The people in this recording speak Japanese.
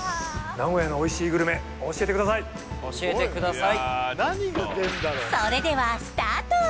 名古屋のおいしいグルメ教えてください教えてください